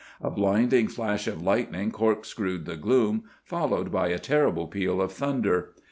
A blinding flash of lightning corkscrewed the gloom, followed by a terrible peal of thunder.